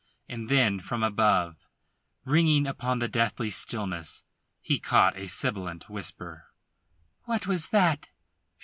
And then from above, ringing upon the deathly stillness, he caught a sibilant whisper: "What was that?